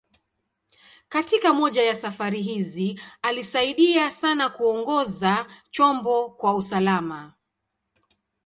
Katika moja ya safari hizi, alisaidia sana kuongoza chombo kwa usalama.